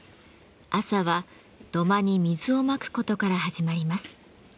朝は土間に水をまくことから始まります。